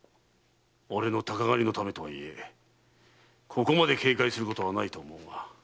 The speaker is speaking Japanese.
俺の鷹狩りのためとはいえここまで警戒することはないと思うが。